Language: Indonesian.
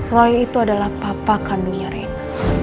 lo itu adalah papa kami rina